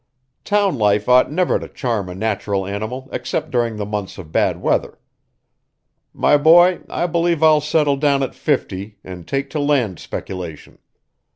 Town life ought never to charm a natural animal except during the months of bad weather. My boy, I believe I'll settle down at fifty and take to land speculation!